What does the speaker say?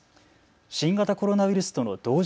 新型コロナウイルスとの同時